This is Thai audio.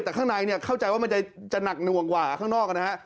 แต่ข้างในเนี่ยเข้าใจว่ามันจะหนักหน่วงกว่าข้างนอกนะฮะ